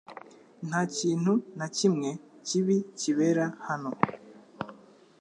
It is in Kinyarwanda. Nta kintu nakimwe kibi kibera hano